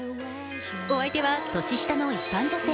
お相手は年下の一般女性。